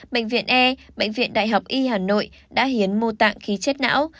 bệnh viện e bệnh viện đại học y hà nội đã hiến mô tạng khí chết não